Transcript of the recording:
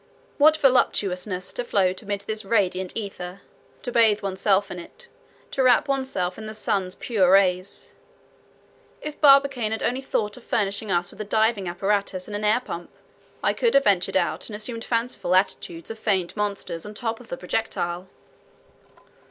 What voluptuousness to float amid this radiant ether, to bathe oneself in it, to wrap oneself in the sun's pure rays. If Barbicane had only thought of furnishing us with a diving apparatus and an air pump, I could have ventured out and assumed fanciful attitudes of feigned monsters on the top of the projectile."